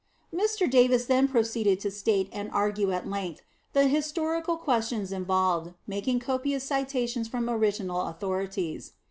Mr. Davis then proceeded to state and argue at length the historical questions involved, making copious citations from original authorities.